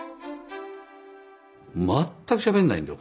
全くしゃべんないんだよ